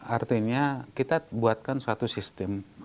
artinya kita buatkan suatu sistem